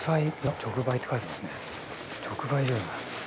直売所だ。